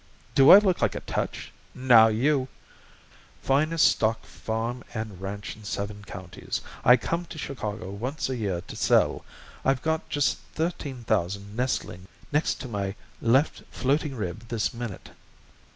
Do I look like a touch? Now you " "Finest stock farm and ranch in seven counties. I come to Chicago once a year to sell. I've got just thirteen thousand nestling next to my left floating rib this minute."